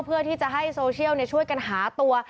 เพื่อที่จะให้โซเชียลช่วยกันหาตัว